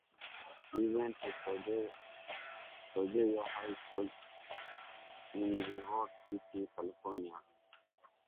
He went to Sequoia High School in Redwood City, California.